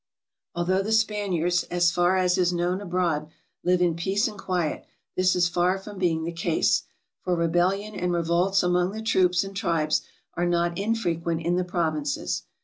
Although the Spaniards, as far as is known abroad, live in peace and quiet, this is far from being the case ; for re bellion and revolts among the troops and tribes are not infrequent in the provinces.